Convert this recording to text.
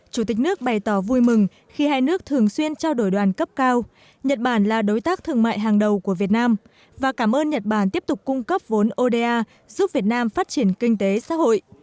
chủ tịch nước bày tỏ vui mừng khi hai nước thường xuyên trao đổi đoàn cấp cao nhật bản là đối tác thương mại hàng đầu của việt nam và cảm ơn nhật bản tiếp tục cung cấp vốn oda giúp việt nam phát triển kinh tế xã hội